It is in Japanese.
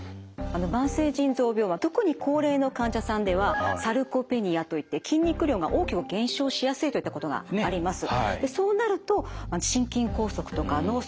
慢性腎臓病特に高齢の患者さんではサルコペニアといって筋肉量が大きく減少しやすいといったことがあります。